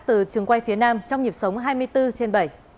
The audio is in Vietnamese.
từ trường quay phía nam trong nhịp sống hai mươi bốn trên bảy